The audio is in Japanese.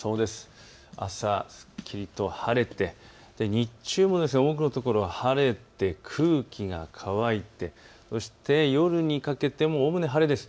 朝、すっきりと晴れて日中も多くの所、晴れて空気が乾いてそして夜にかけてもおおむね晴れです。